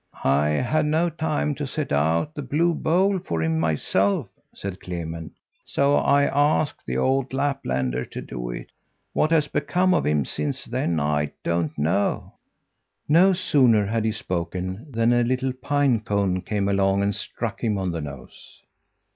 "I had no time to set out the blue bowl for him myself," said Clement, "so I asked the old Laplander to do it. What has become of him since then I don't know." No sooner had he spoken than a little pine cone came along and struck him on the nose.